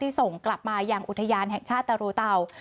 ที่ส่งกลับมาอย่างอุทยานแห่งชาติตะรูเตาะ